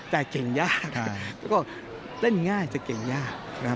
แต่เก่งยากแล้วก็เล่นง่ายแต่เก่งยากนะครับ